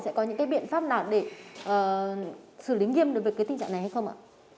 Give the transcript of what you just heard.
sẽ có những cái biện pháp nào để xử lý nghiêm đối với cái tình trạng này hay không ạ